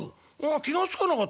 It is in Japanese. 気が付かなかったね。